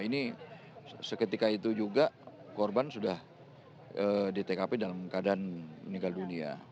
ini seketika itu juga korban sudah di tkp dalam keadaan meninggal dunia